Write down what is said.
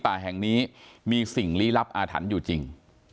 ป่าแห่งนี้มีสิ่งลี้ลับอาถรรพ์อยู่จริง